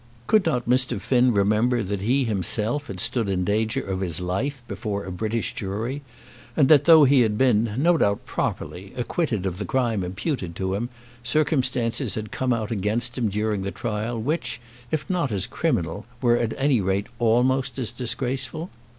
Could not Mr. Finn remember that he himself had stood in danger of his life before a British jury, and that, though he had been, no doubt properly, acquitted of the crime imputed to him, circumstances had come out against him during the trial which, if not as criminal, were at any rate almost as disgraceful?